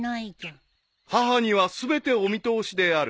［母には全てお見通しである］